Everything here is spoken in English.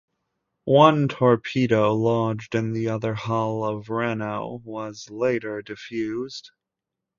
One torpedo lodged in the outer hull of "Reno" and was later defused.